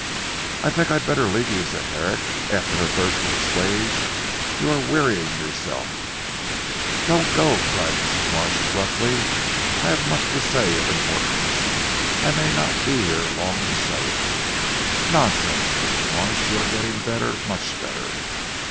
"I think I had better leave you," said Herrick after her thirst was assuaged, "you are wearying yourself." "Don't go," cried Mrs. Marsh abruptly, "I have much to say of importance. I may not be here long to say it." "Nonsense, Mrs. Marsh. You are getting better, much better."